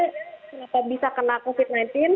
kenapa bisa kena covid sembilan belas